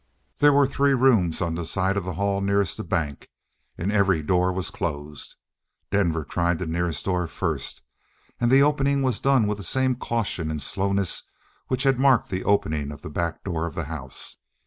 There were three rooms on the side of the hall nearest the bank. And every door was closed. Denver tried the nearest door first, and the opening was done with the same caution and slowness which had marked the opening of the back door of the house.